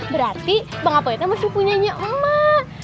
berarti bang apoi tuh masih punya emak